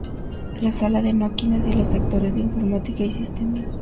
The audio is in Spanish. Sala de máquinas, y los sectores de informática y sistemas.